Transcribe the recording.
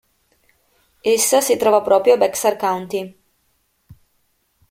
Essa si trova proprio a Bexar County.